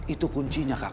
itu kuncinya kak